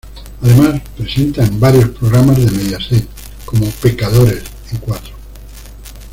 Además presenta en varios programas de Mediaset, como "Pecadores" en Cuatro.